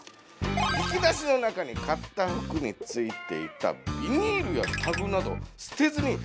「引き出しの中に買ったふくについていたビニールやタグなどすてずにためてしまう」。